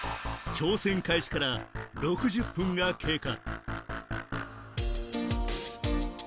挑戦開始から６０分が経過